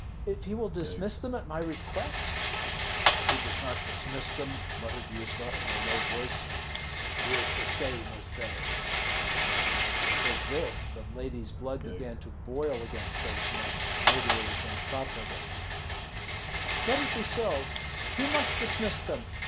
If he will dismiss them at my request?" "If he does not dismiss them," muttered Yuzva, in a low voice, "he is the same as they." With this the lady's blood began to boil against those men, murderers and profligates. "Let it be so. He must dismiss them.